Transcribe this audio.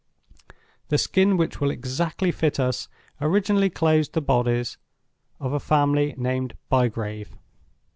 The Skin which will exactly fit us originally clothed the bodies of a family named Bygrave.